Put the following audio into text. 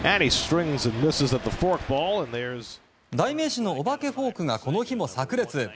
代名詞のお化けフォークがこの日も炸裂。